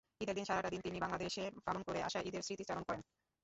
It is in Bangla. ঈদের দিন সারাটা দিন তিনি বাংলাদেশে পালন করে আসা ঈদের স্মৃতিচারণ করেন।